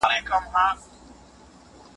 زه ستا له کوره یم روان مگر ورو ورو یم روان